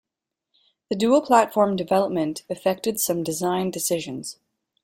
The dual platform development affected some design decisions.